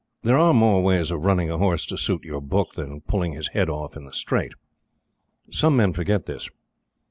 There are more ways of running a horse to suit your book than pulling his head off in the straight. Some men forget this.